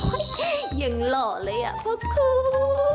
โอ๊ยยยยยังหล่อเลยอะเพราะคุณ